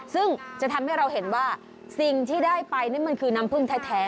ซึ่งจะทำให้เราเห็นว่าสิ่งที่ได้ไปนี่มันคือน้ำพึ่งแท้